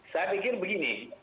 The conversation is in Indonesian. saya pikir begini